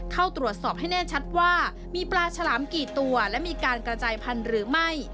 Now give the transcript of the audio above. เข้าตรวจสอบให้แน่ชัดว่ามีปลาฉลามกี่ตัวและมีการกระจายพันธุ์หรือไม่